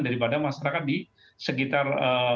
daripada masyarakat di sekitar